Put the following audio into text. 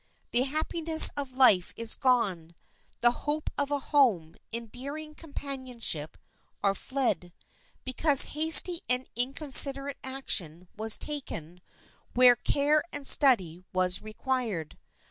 The happiness of life is gone; the hopes of a home, endearing companionship, are fled, because hasty and inconsiderate action was taken where care and study was required.